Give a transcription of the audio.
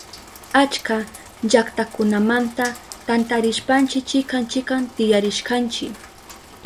Achka llaktakunamanta tantarishpanchi chikan chikan tiyarishkanchi.